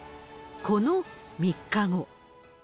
この３日後。